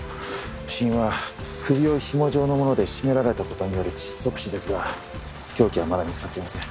死因は首をひも状のもので絞められた事による窒息死ですが凶器はまだ見つかっていません。